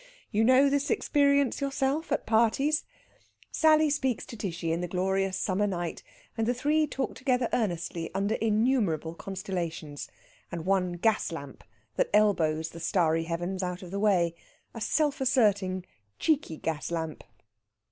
You know this experience yourself at parties? Sally speaks to Tishy in the glorious summer night, and the three talk together earnestly under innumerable constellations, and one gas lamp that elbows the starry heavens out of the way a self asserting, cheeky gas lamp.